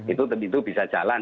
itu tentu bisa jalan